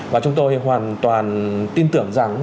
và chúng tôi hoàn toàn tin tưởng rằng